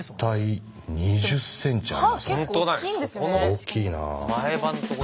大きいな。